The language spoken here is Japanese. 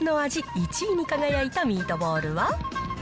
１位に輝いたミートボールは。